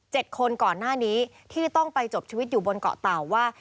คนก่อนหน้านี้ที่ต้องไปจบชีวิตอยู่บนเกาะเต่าว่า